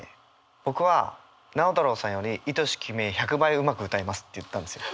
「僕は直太朗さんより『愛し君へ』１００倍上手く歌えます」って言ったんですよ。